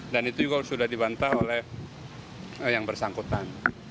dan itu juga sudah dibantah oleh yang bersangkutan